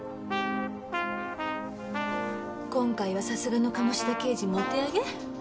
今回はさすがの鴨志田刑事もお手上げ？